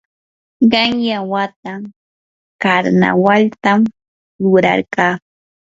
qanyan wata karnawaltam rurarqaa.